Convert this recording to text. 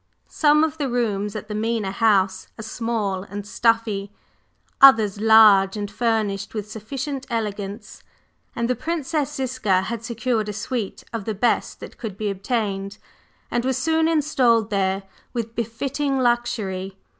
Some of the rooms at the Mena House are small and stuffy; others large and furnished with sufficient elegance: and the Princess Ziska had secured a "suite" of the best that could be obtained, and was soon installed there with befitting luxury.